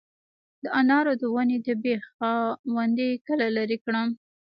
د انارو د ونې د بیخ خاوندې کله لرې کړم؟